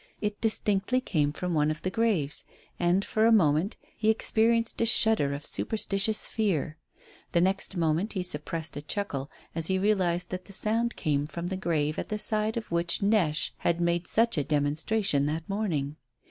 It distinctly came from one of the graves, and, for a moment, he experienced a shudder of superstitious fear. The next moment he suppressed a chuckle as he realized that the sound came from the grave at the side of which Neche had made such a demonstration that morning.